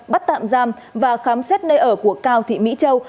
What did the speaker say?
bắt tạm giam và khám xét nơi ở của cao thị mỹ châu